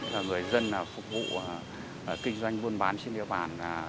và người dân phục vụ kinh doanh buôn bán trên địa bàn